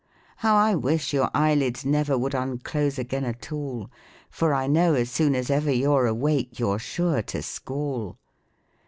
"How I wish your eyelids never Would unclose again at all ; For I know as soon as ever You're awake, you're sure to squaL.